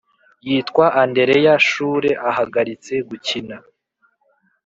yitwa andereya shure ahagaritse gukina